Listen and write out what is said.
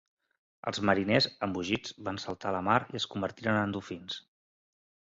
Els mariners, embogits, van saltar a la mar i es convertiren en dofins.